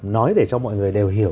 nói để cho mọi người đều hiểu